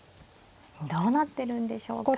どうなってるんでしょうか。